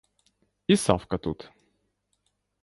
І Савка тут!